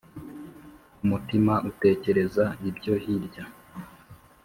umutima utekereza ibyo hilya